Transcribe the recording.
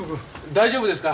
大丈夫ですか？